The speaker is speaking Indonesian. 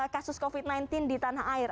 kasus covid sembilan belas di tanah air